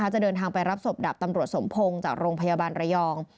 จะเดินทางไปรับศพดับตำรวจสมพงศ์จากโรงพยาบาลระยอง